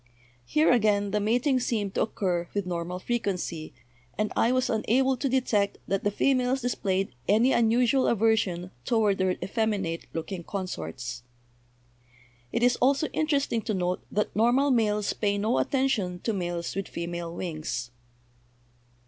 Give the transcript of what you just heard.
Here, again, the mating seemed to occur with normal frequency, and I was unable to detect that the females displayed any unusual aversion toward their effeminate looking consorts. "It is also interesting to note that normal males pay no attention to males with female wings.